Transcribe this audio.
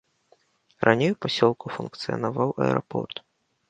Раней у пасёлку функцыянаваў аэрапорт.